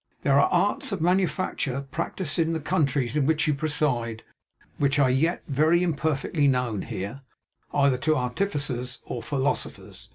There are arts of manufacture practised in the countries in which you preside, which are yet very imperfectly known here, either to artificers or philosophers.